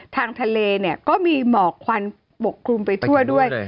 ทางทะเลเนี่ยก็มีหมอกควันปกคลุมไปทั่วด้วย